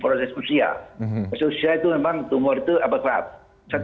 proses usia itu memang tumor itu apa kelat